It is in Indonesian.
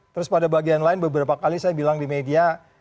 terus pada bagian lain beberapa kali saya bilang di media